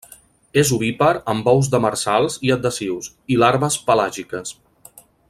És ovípar amb ous demersals i adhesius, i larves pelàgiques.